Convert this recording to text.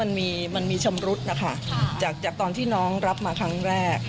มันมีชำรุดนะคะจากตอนที่น้องรับมาครั้งแรก